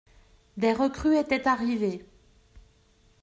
Des recrues étaient arrivées.